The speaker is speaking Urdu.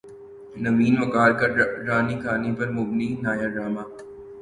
نوین وقار کا ڈرانی کہانی پر مبنی نیا ڈراما